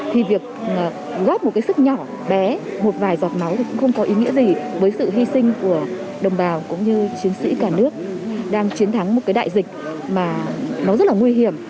thì việc góp một sức nhỏ bé một vài giọt máu cũng không có ý nghĩa gì với sự hy sinh của đồng bào cũng như chiến sĩ cả nước đang chiến thắng một đại dịch rất nguy hiểm